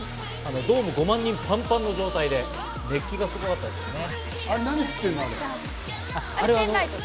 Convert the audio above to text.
ドーム５万人、パンパンの状態で熱気がすごかったですね。